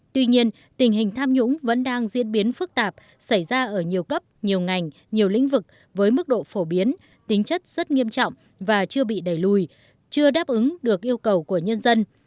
tuy nhiên tình hình tham nhũng vẫn đang diễn biến phức tạp xảy ra ở nhiều cấp nhiều ngành nhiều lĩnh vực với mức độ phổ biến tính chất rất nghiêm trọng và chưa bị đẩy lùi chưa đáp ứng được yêu cầu của nhân dân